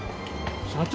社長。